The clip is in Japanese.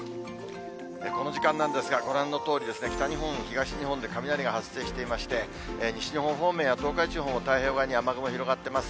この時間なんですが、ご覧のとおり、北日本、東日本で雷が発生していまして、西日本方面や東海地方の太平洋側に雨雲広がってます。